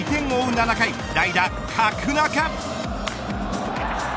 ７回代打、角中。